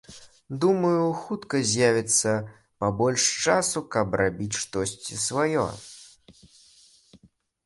Думаю, хутка з'явіцца пабольш часу, каб рабіць штосьці сваё.